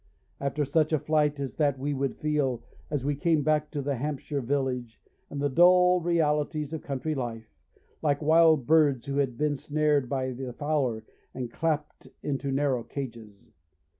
After such a flight as that we would feel, as we came back to the Hampshire village and the dull realities of country life, like wild birds who had been snared by the fowler and clapped into narrow cages.